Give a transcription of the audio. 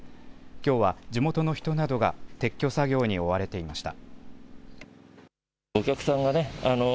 きょうは地元の人などが撤去作業に追われていました。